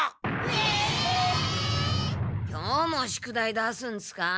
今日も宿題出すんすか？